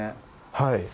はい。